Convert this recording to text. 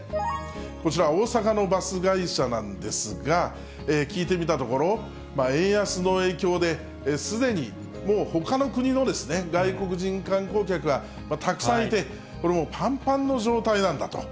こちら、大阪のバス会社なんですが、聞いてみたところ、円安の影響で、すでに、もうほかの国の外国人観光客がたくさんいて、これ、もうぱんぱんの状態なんだと。